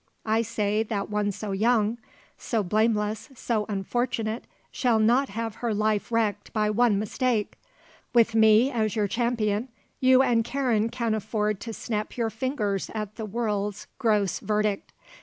I say that one so young, so blameless, so unfortunate, shall not have her life wrecked by one mistake. With me as your champion you and Karen can afford to snap your fingers at the world's gross verdict.